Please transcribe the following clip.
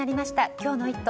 今日の「イット！」